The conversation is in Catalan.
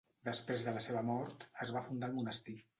Després de la seva mort es va fundar el monestir.